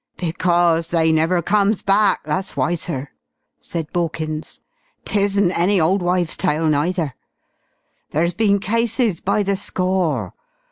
"Because they never comes back, that's why, sir!" said Borkins. "'Tisn't any old wives' tale neither. There's been cases by the score.